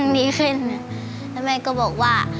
แล้วแม่ก็บอกว่า